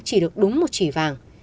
chỉ được đúng một chỉ vàng